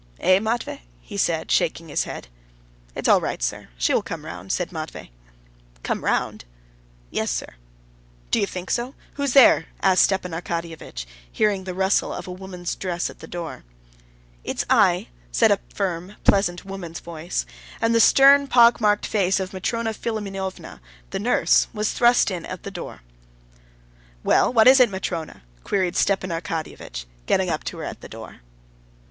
"Eh, Matvey?" he said, shaking his head. "It's all right, sir; she will come round," said Matvey. "Come round?" "Yes, sir." "Do you think so? Who's there?" asked Stepan Arkadyevitch, hearing the rustle of a woman's dress at the door. "It's I," said a firm, pleasant, woman's voice, and the stern, pockmarked face of Matrona Philimonovna, the nurse, was thrust in at the doorway. "Well, what is it, Matrona?" queried Stepan Arkadyevitch, going up to her at the door.